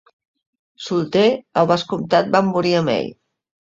Solter, el vescomtat va morir amb ell.